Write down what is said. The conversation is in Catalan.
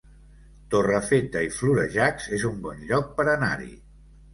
Torrefeta i Florejacs es un bon lloc per anar-hi